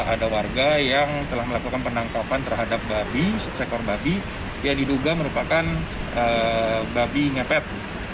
ada warga yang telah melakukan penangkapan terhadap babi seekor babi yang diduga merupakan babi ngepet